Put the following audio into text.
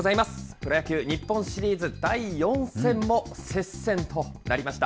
プロ野球、日本シリーズ第４戦も接戦となりました。